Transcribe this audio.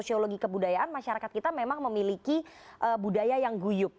sosiologi kebudayaan masyarakat kita memang memiliki budaya yang guyup